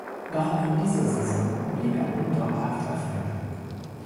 Doch auch in dieser Saison blieb er ohne dauerhafte Erfolge.